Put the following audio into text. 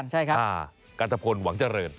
เจ้ากรร